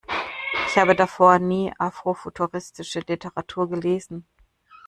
Ich habe davor nie afrofuturistische Literatur gelesen.